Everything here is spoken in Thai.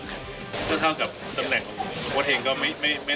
ซะเท่ากับตำแหน่งโบราทเองก็ไม่ได้ทำ